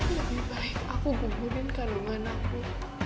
lebih baik aku kumpulin kandungan aku